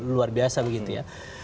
luar biasa begitu ya